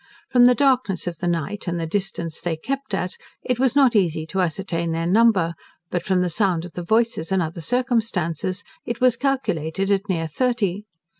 From the darkness of the night, and the distance they kept at, it was not easy to ascertain their number, but from the sound of the voices and other circumstances, it was calculated at near thirty.